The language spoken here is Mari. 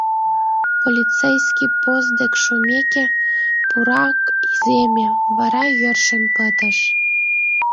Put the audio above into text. Полицейский пост дек шумеке, пурак иземе, вара йӧршын пытыш.